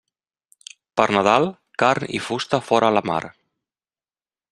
Per Nadal, carn i fusta fora la mar.